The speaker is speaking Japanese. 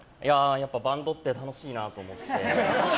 やっぱバンドって楽しいなと思って。